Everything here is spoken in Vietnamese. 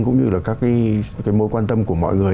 cũng như là các cái mối quan tâm của mọi người